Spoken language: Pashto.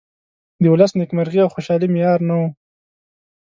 د ولس نیمکرغي او خوشالي معیار نه ؤ.